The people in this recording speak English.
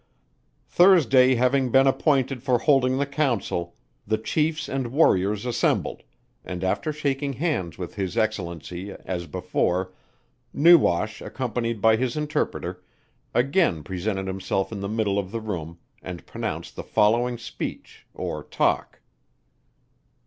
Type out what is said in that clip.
Thursday having been appointed for holding the Council, the Chiefs and Warriors assembled, and after shaking hands with His Excellency, as before, NEWASH accompanied by his Interpreter, again presented himself in the middle of the room, and pronounced the following Speech, or talk.